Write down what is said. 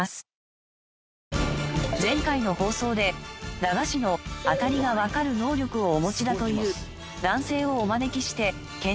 前回の放送で駄菓子のあたりがわかる能力をお持ちだという男性をお招きして検証しました。